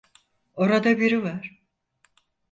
Orada biri var.